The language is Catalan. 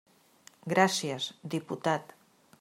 Gràcies, diputat.